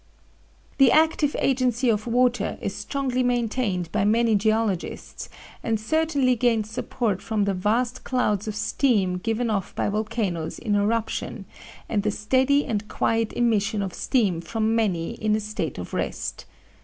The active agency of water is strongly maintained by many geologists, and certainly gains support from the vast clouds of steam given off by volcanoes in eruption and the steady and quiet emission of steam from many in a state of rest.